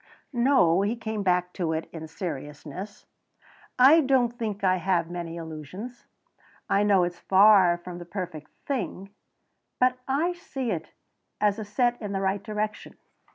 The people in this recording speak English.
"No," he came back to it in seriousness, "I don't think I have many illusions. I know it's far from the perfect thing, but I see it as set in the right direction.